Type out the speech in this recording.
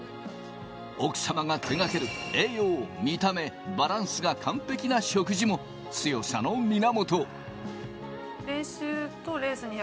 奥様が手がける、栄養、見た目、バランスが完璧な食事も強さの源。